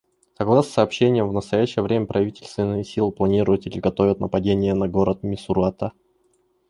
Согласно сообщениям, в настоящее время правительственные силы планируют или готовят нападения на город Мисурата.